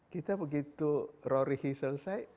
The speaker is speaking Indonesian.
kita begitu rory selesai